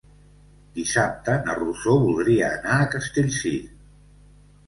Dissabte na Rosó voldria anar a Castellcir.